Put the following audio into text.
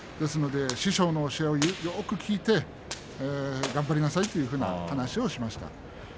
師匠の教えをよく聞いて頑張りなさいという話をしました。